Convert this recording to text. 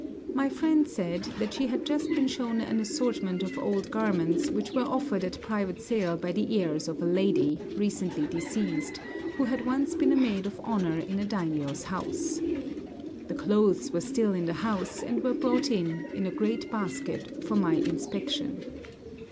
My friend said that she had just been shown an assortment of old garments which were offered at private sale by the heirs of a lady, recently deceased, who had once been a maid of honor in a daimiō's house. The clothes were still in the house, and were brought in, in a great basket, for my inspection.